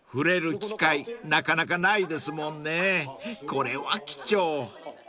［これは貴重］